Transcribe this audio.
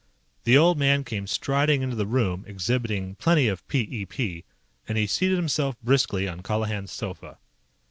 The old man came striding into the room, exhibiting plenty of p e p, and he seated himself briskly on Colihan's sofa.